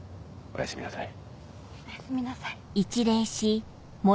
おやすみなさい。